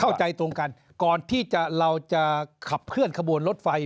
เข้าใจตรงกันก่อนที่เราจะขับเคลื่อนขบวนรถไฟ